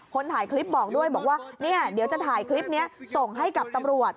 คนถ่ายคลิปบอกด้วยบอกว่าเนี่ยเดี๋ยวจะถ่ายคลิปนี้ส่งให้กับตำรวจ